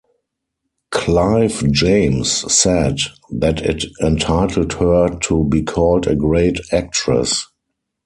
Clive James said that it entitled her to be called a great actress.